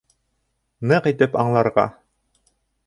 Ныҡ итеп аңларға.